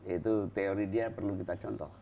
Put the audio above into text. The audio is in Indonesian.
itu teori dia perlu kita contoh